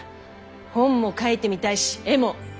本も書いてみたいし画も。